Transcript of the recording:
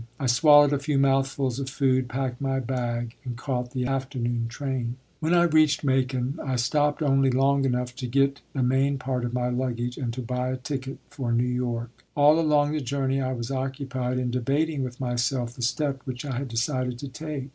I swallowed a few mouthfuls of food, packed my bag, and caught the afternoon train. When I reached Macon, I stopped only long enough to get the main part of my luggage and to buy a ticket for New York. All along the journey I was occupied in debating with myself the step which I had decided to take.